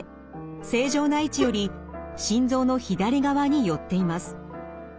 正常な位置より心臓の左側に寄っています。